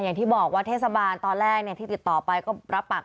อย่างที่บอกว่าเทศบาลตอนแรกที่ติดต่อไปก็รับปาก